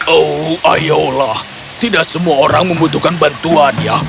oh ayolah tidak semua orang membutuhkan bantuan ya